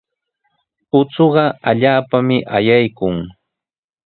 Uchuqa allaapami ayaykun.